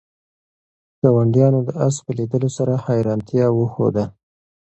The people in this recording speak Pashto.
ګاونډیانو د آس په لیدلو سره حیرانتیا وښوده.